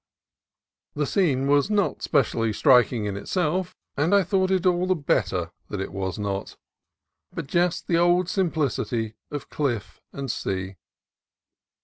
The scene was not specially striking in itself, and I thought it all the better that it was not, but just the old simplicity of cliff and sea.